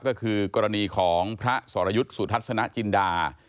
ก็คือกรณีของพระสรยุทธ์สุทัศนจินดา